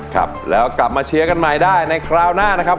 ครับแล้วกลับมาเชียร์กันใหม่ได้ในคราวหน้านะครับ